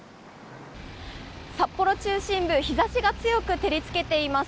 札幌中心部日差しが強く照り付けています。